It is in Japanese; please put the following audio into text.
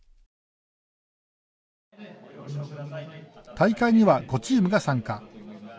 大会には５チームが参加。